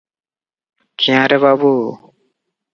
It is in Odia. କ୍ୟାଁ ରେ ବାବୁ!